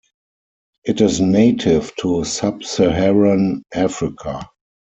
It is native to Sub-Saharan Africa.